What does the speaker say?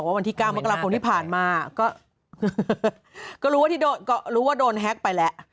ว่ามันที่ก้าวมักราบผมที่ผ่านมาก็ก็รู้ว่าที่ด่วนก็รู้ว่าโดนแฮกป่ะและ